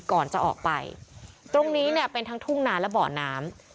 ก่อนจะออกไปตรงนี้เนี่ยเป็นทั้งทุ่งนาและบ่อน้ำ